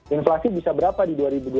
inflasi bisa berapa di dua ribu dua puluh